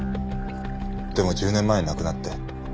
でも１０年前に亡くなって。